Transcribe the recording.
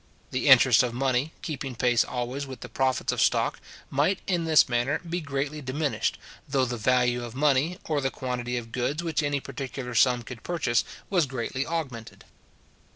The interest of money, keeping pace always with the profits of stock, might, in this manner, be greatly diminished, though the value of money, or the quantity of goods which any particular sum could purchase, was greatly augmented.